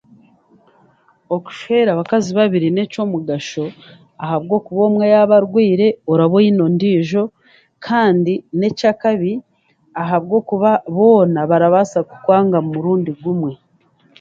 Okushwera abakazi b'abiri n'ekyomugasho ahabwokuba omwe yaaba arwaire oraba oine ondiijo kandi n'ekyakabi ahabwokuba boona barabaasa kukwanga omurundi gumwe.